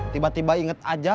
tiba tiba inget aja